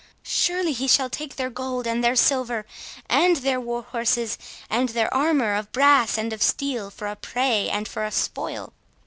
—Surely he shall take their gold and their silver, and their war horses, and their armour of brass and of steel, for a prey and for a spoil."